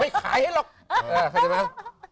ไม่ขายให้หรอก